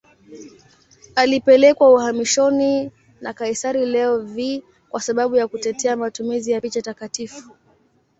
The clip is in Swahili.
Alipelekwa uhamishoni na kaisari Leo V kwa sababu ya kutetea matumizi ya picha takatifu.